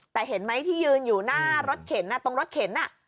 แต่เห็นไหมที่ยืนอยู่หน้ารถเข็นตรงรถเข็น